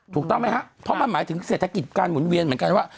ถูกต้องไหมครับเพราะมันหมายถึงเศรษฐกิจการหมุนเวียนเหมือนกันว่า